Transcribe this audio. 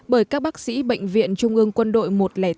bởi các bác sĩ bệnh viện trung ương quân đội một trăm linh tám